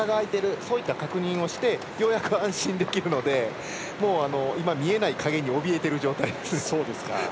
そうして確認して、ようやく安心できるので見えない影におびえてる状態ですね。